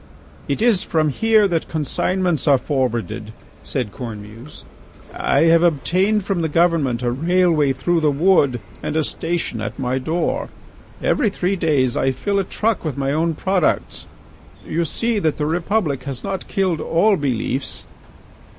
"It is from here that consignments are forwarded," said Cornemuse. "I have obtained from the government a railway through the Wood and a station at my door. Every three days I fill a truck with my own products. You see that the Republic has not killed all beliefs."